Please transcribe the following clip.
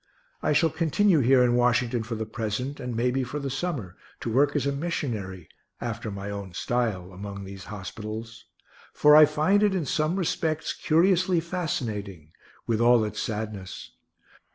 I shall continue here in Washington for the present, and may be for the summer, to work as a missionary, after my own style, among these hospitals, for I find it in some respects curiously fascinating, with all its sadness.